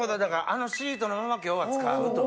あのシートのまま今日は使うと。